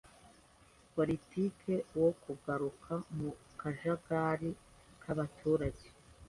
politiki wo kugaruka mu kajagari kabaturage